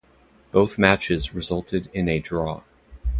Both matches resulted in a draw.